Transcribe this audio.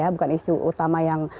bukan isu utama yang